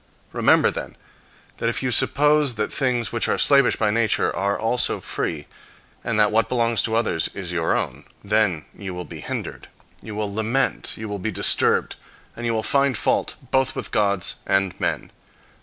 Remember, then, that if you suppose that things which are slavish by nature are also free, and that what belongs to others is your own, then you will be hindered. You will lament, you will be disturbed, and you will find fault both with gods and men.